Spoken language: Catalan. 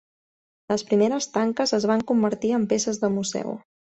Les primeres tanques es van convertir en peces de museu.